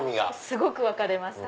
すごく分かれます。